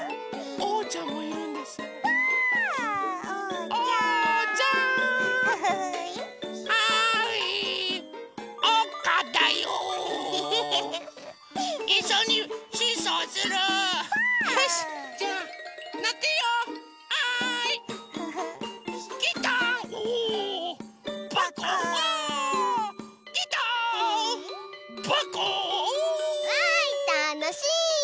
おお！わいたのしい！